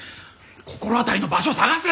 心当たりの場所を捜せ！